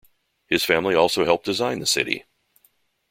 His family also helped design the city.